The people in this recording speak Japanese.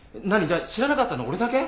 じゃあ知らなかったの俺だけ？